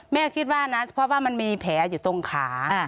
แม่คิดว่านะเพราะว่ามันมีแผลอยู่ตรงขา